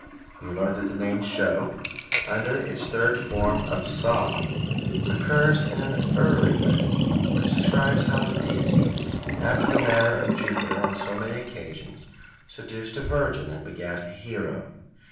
He learnt that the name Sho, under its third form of Psa, occurs in an early legend which describes how the deity, after the manner of Jupiter on so many occasions, seduced a Virgin and begat a hero.